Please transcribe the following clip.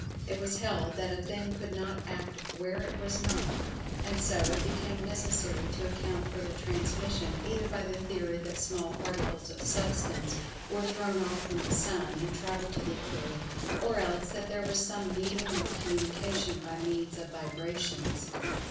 It was held that a thing could not act "where it was not," and so it became necessary to account for the transmission either by the theory that small particles of substance were thrown off from the Sun, and travelled to the Earth, or else that there was some medium of communication by means of vibrations, etc.